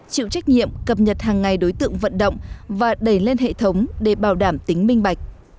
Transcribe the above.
chịu trách nhiệm cập nhật hàng ngày đối tượng vận động và đẩy lên hệ thống để bảo đảm tính minh bạch